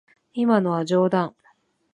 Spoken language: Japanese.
今のは冗談。